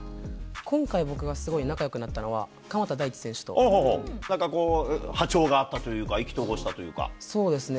今回、僕がすごい仲よくなったのは、なんかこう波長が合ったといそうですね。